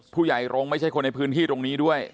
ผู้ใหญ่รงค์ไม่ใช่คนในพื้นที่ตรงนี้ด้วย